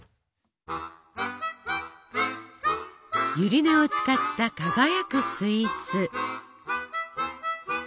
ゆり根を使った輝くスイーツ。